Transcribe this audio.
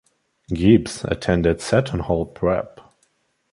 Gibbs attended Seton Hall Prep.